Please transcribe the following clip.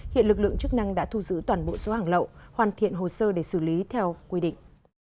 hiện lực lượng chức năng đã thu giữ toàn bộ số hàng lậu hoàn thiện hồ sơ để xử lý theo quy định